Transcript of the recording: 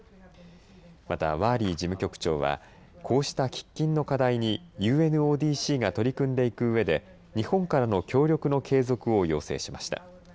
またワーリー事務局長はこうした喫緊の課題にＵＮＯＤＣが取り組んでいくうえで日本からの協力の継続を要請しました。